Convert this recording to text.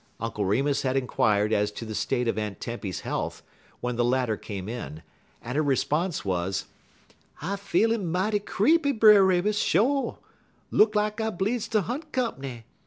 Uncle Remus had inquired as to the state of Aunt Tempy's health, when the latter came in, and her response was: "I feelin' mighty creepy, Brer Remus, sho'. Look like I bleedz ter hunt comp'ny.